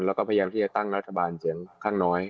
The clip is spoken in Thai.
แล้วก็พยายามที่จะตั้งรัฐบาลเสียงข้างน้อย